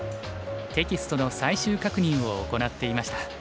テキストの最終確認を行っていました。